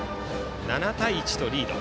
７対１とリード。